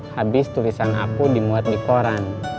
habis tulisan aku dimuat di koran